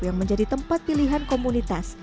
yang menjadi tempat pilihan komunitas